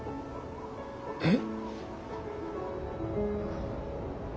えっ？